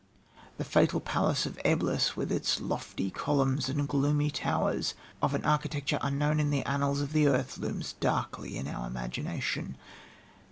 The fatal palace of Eblis, with its lofty columns and gloomy towers of an architecture unknown in the annals of the earth, looms darkly in our imagination.